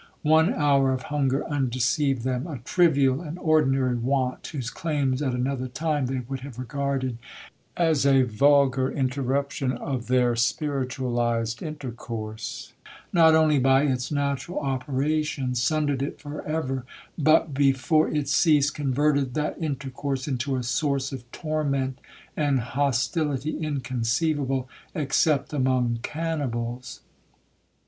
One hour of hunger undeceived them. A trivial and ordinary want, whose claims at another time they would have regarded as a vulgar interruption of their spiritualised intercourse, not only, by its natural operation, sundered it for ever, but, before it ceased, converted that intercourse into a source of torment and hostility inconceivable, except among cannibals.